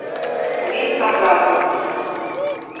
Увесь атрад быў тут.